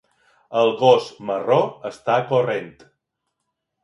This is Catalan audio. El gos marró està corrent.